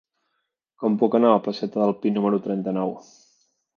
Com puc anar a la placeta del Pi número trenta-nou?